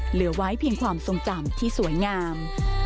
เหลือไว้เพียงความทรงจำที่สวยงาม